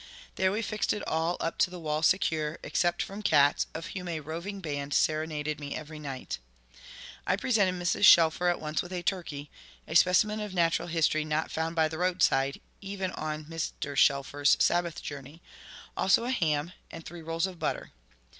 There we fixed it all up to the wall secure, except from cats, of whom a roving band serenaded me every night. I presented Mrs. Shelfer at once with a turkey a specimen of natural history not found by the roadside, even on Mr. Shelfer's Sabbath journey also a ham, and three rolls of butter.